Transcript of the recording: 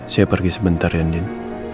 saya pergi sebentar yandin